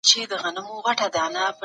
فشار د ورځني نظم ګډوډوي.